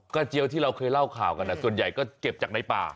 เจียวที่เราเคยเล่าข่าวกันส่วนใหญ่ก็เก็บจากในป่า